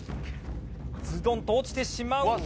ズドンと落ちてしまうと。